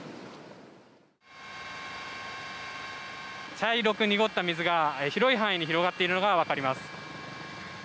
茶色く濁った水が広い範囲に広がっているのが分かります。